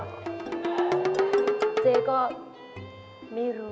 เจ๊ก็ไม่รู้